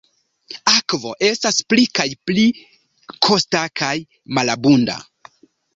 Akvo estas pli kaj pli pli kosta kaj malabunda.